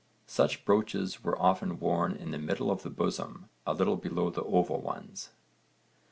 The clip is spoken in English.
Such brooches were often worn in the middle of the bosom a little below the oval ones.